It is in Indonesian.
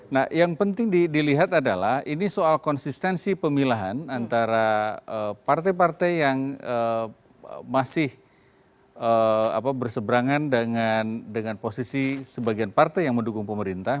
nah yang penting dilihat adalah ini soal konsistensi pemilahan antara partai partai yang masih berseberangan dengan posisi sebagian partai yang mendukung pemerintah